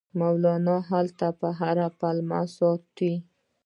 مولنا هلته په هره پلمه وساتي.